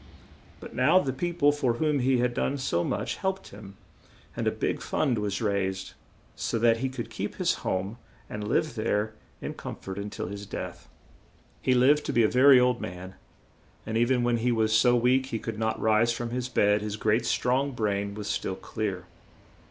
But now the peo ple for whom he had done so much helped him, and a big fund was raised, so that he could keep his home and live there in com fort un til his death. He lived to be a ver y old man, and e ven when he was so weak he could not rise from his bed, his great, strong brain was still clear.